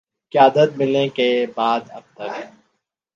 قیادت ملنے کے بعد اب تک